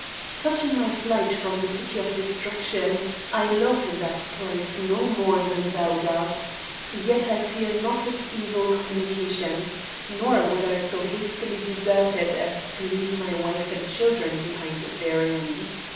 Touching my flight from the City of Destruction, I love that place no more than thou dost; yet I fear not its evil communications, nor would I so hastily desert it as to leave my wife and children behind therein.